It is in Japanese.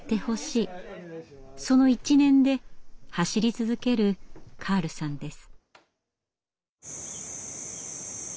その一念で走り続けるカールさんです。